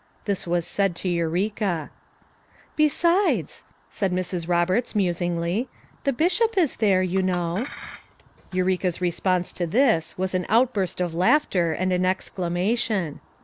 This was said to Eureka, " Besides/ ' said Mrs. Roberts musingly, "the Bishop is there, you know." Eureka's response to this, was an outburst of laughter, and an exclamation.